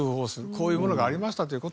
こういうものがありましたという事を。